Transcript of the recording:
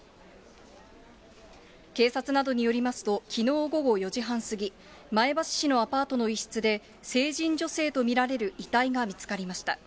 警察などによりますと、きのう午後４時半過ぎ、前橋市のアパートの一室で、成人女性と見られる遺体が見つかりました。